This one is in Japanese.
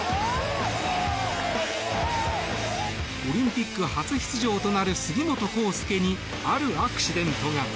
オリンピック初出場となる杉本幸祐にあるアクシデントが。